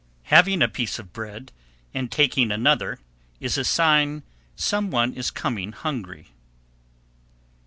Having a piece of bread and taking another is a sign some one is coming hungry.